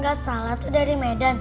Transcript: gak salah tuh dari medan